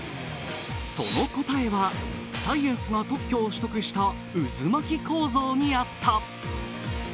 その答えはサイエンスが特許を取得した渦巻き構造にあった！